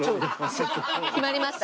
決まりました？